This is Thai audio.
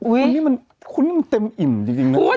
คุณนี่มันเต็มอิ่มจริงนะคุณ